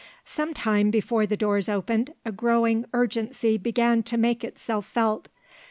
Some time before the doors opened a growing urgency began to make itself felt.